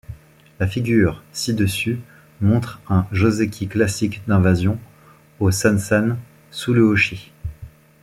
La figure ci-dessus montre un joseki classique d'invasion au san-san sous le hoshi.